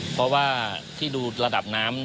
เพราะว่าที่ดูระดับน้ำ